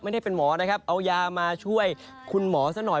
ไม่ได้เป็นหมอนะครับเอายามาช่วยคุณหมอซะหน่อย